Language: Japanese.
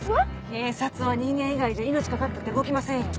警察は人間以外じゃ命かかったって動きませんよ。